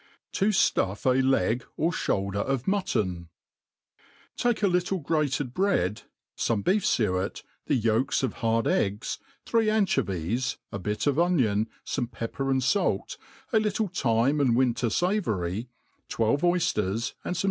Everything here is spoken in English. ^Tajluff a Leg, or Shoulder of Mutton, TAKE a little grated bread, fome beef fuet, the yolks of hard eggs, three anchovies, a bit of onion, fome pepper and fait, a little thyme and winter favory, twelve oy iters, and fome.